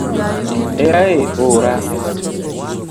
Erae ora